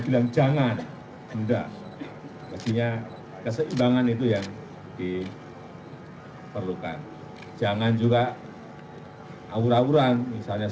bilang jangan enggak pastinya keseimbangan itu yang diperlukan jangan juga awuran awuran misalnya